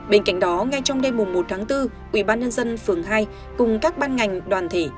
bên cạnh đó ngay trong đêm một tháng bốn quỹ ban nhân dân phường hai cùng các ban ngành đoàn thể